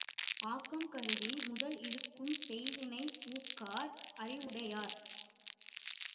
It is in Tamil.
ஆக்கம் கருதி முதல் இழக்கும் செய்வினை ஊக்கார் அறிவுடை யார்.